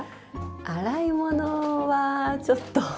洗い物はちょっと。